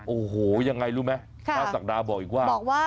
โอ้โหยังไงรู้ไหมพระศักดาบอกอีกว่าบอกว่า